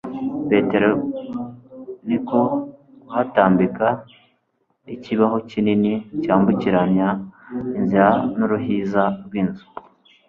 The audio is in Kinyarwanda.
petero niko kuhatambika ikibaho kinini cyambukiranya inzira n'uruhiza rw'inzu